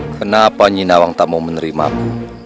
kenapa nyinawang tak mau menerimaku